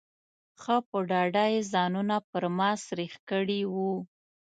ښه په ډاډه یې ځانونه پر ما سرېښ کړي وو.